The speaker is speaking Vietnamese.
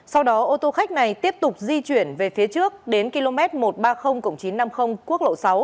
sau đó ô tô khách này tiếp tục di chuyển về phía trước đến km một trăm ba mươi chín trăm năm mươi quốc lộ sáu